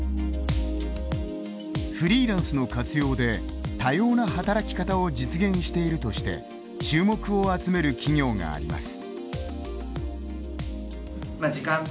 フリーランスの活用で多様な働き方を実現しているとして注目を集める企業があります。